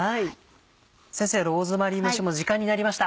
先生ローズマリー蒸しも時間になりました。